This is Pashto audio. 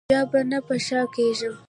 بیا به نه په شا کېږم.